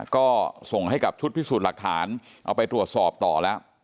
ก็ส่งให้กับชุดพิสูจน์หลักฐานเอาไปตรวจสอบต่อแล้ว